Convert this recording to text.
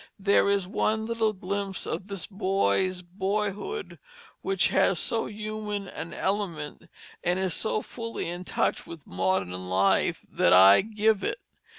There is one little glimpse of this boy's boyhood which has so human an element, is so fully in touch with modern life, that I give it.